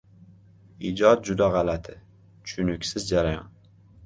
Ijod juda gʻalati, tushuniksiz jarayon.